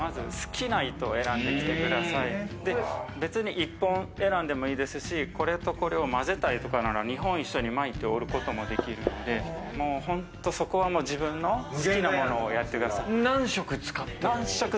１本選んでもいいですし、これとこれをまぜたりとか、２本一緒に巻いて織ることもできるので、本当にそこは自分の好きなものをやってください。